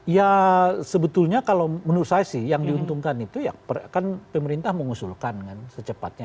ya sebetulnya kalau menurut saya sih yang diuntungkan itu ya kan pemerintah mengusulkan kan secepatnya